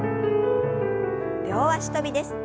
両足跳びです。